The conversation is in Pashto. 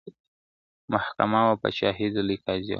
محکمه وه پاچهي د لوی قاضي وه ..